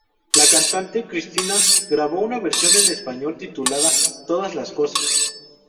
La cantante Cristina grabó una versión en español titulada "Todas las cosas".